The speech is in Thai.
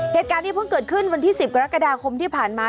เหตุการณ์นี้เพิ่งเกิดขึ้นวันที่๑๐กรกฎาคมที่ผ่านมา